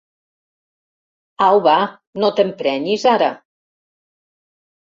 Au va, no t'emprenyis, ara.